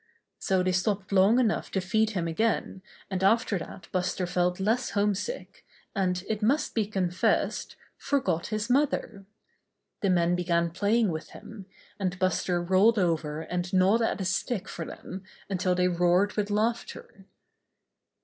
So they stopped long enough to feed him again, and after that Buster felt less home sick, and, it must be confessed, forgot his mother. The men began playing with him, and Buster rolled over and gnawed at a stick for them until they roared with laughter.